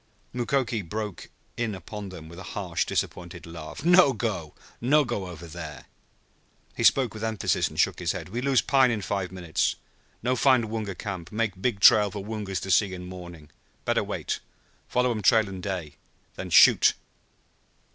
Mukoki broke in upon them with a harsh disappointed laugh. "No go. No go over there." He spoke with emphasis, and shook his head. "We lose pine in five minutes. No find Woonga camp make big trail for Woongas to see in morning. Better wait. Follow um trail in day, then shoot!"